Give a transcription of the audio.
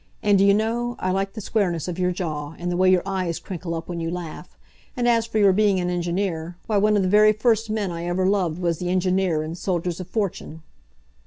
And do you know, I like the squareness of your jaw, and the way your eyes crinkle up when you laugh; and as for your being an engineer why one of the very first men I ever loved was the engineer in 'Soldiers of Fortune.'"